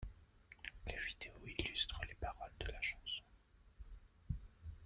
La vidéo illustre les paroles de la chanson.